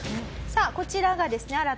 さあこちらがですね